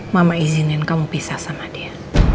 mama izinin kamu pisah sama dia